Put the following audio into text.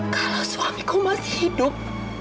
kalau suamiku masih hidup